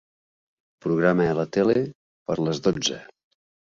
Programa la tele per a les dotze.